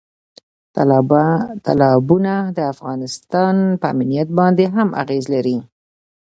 تالابونه د افغانستان په امنیت باندې هم اغېز لري.